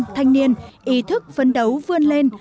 thành niên ý thức phấn đấu vươn lên